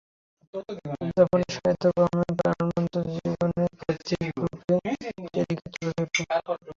জাপানের সাহিত্য কর্মে প্রাণবন্ত জীবনের প্রতীক রূপে চেরিকে তুলে ধরা হয়।